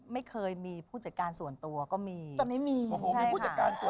ไม่เคยมีผู้จัดการส่วนตัวก็มีแต่ไม่มีโอ้โหมีผู้จัดการส่วนตัว